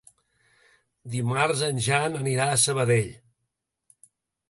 Dimarts en Jan anirà a Sabadell.